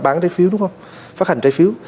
bán trái phiếu đúng không phát hành trái phiếu